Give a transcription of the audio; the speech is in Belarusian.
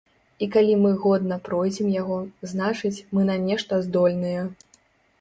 І калі мы годна пройдзем яго, значыць, мы на нешта здольныя.